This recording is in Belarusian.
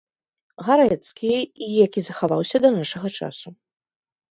Гарэцкі і які захаваўся да нашага часу.